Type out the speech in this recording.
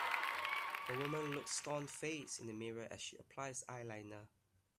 A woman looks stonefaced in the mirror as she applies eyeliner.